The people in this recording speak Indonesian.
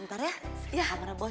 ntar ya kamera boy